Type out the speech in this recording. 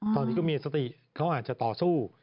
ตอนนี้ก็มีสติเขาอาจจะต่อสู้